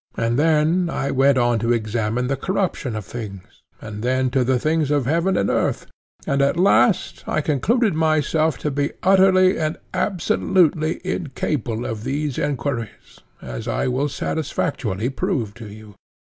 And then I went on to examine the corruption of them, and then to the things of heaven and earth, and at last I concluded myself to be utterly and absolutely incapable of these enquiries, as I will satisfactorily prove to you.